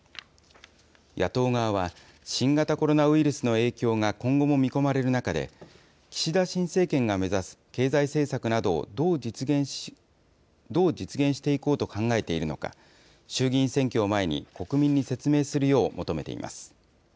野党側は、新型コロナウイルスの影響が今後も見込まれる中で、岸田新政権が目指す経済政策などをどう実現していこうと考えているのか、衆議院選挙を前に、国民に説明するよう求めています。